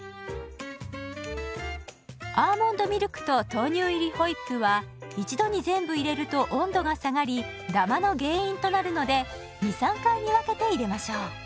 アーモンドミルクと豆乳入りホイップは一度に全部入れると温度が下がりダマの原因となるので２３回に分けて入れましょう。